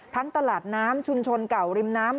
ตลาดน้ำชุมชนเก่าริมน้ำ